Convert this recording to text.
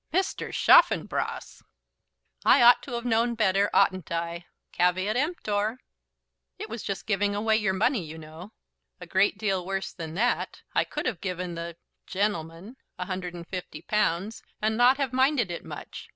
"Mr. Chaffanbrass!" "I ought to have known better, oughtn't I? Caveat emptor." "It was just giving away your money, you know." "A great deal worse than that. I could have given the gentleman a hundred and fifty pounds, and not have minded it much.